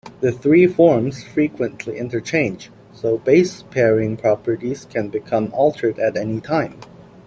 The three forms frequently interchange so base-pairing properties can become altered at any time.